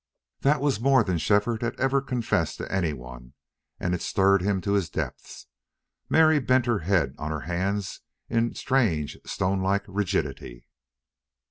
That was more than Shefford had ever confessed to any one, and it stirred him to his depths. Mary bent her head on her hands in strange, stonelike rigidity.